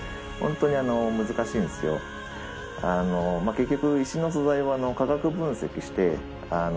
結局。